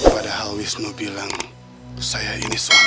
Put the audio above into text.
padahal wisnu bilang saya ini seorang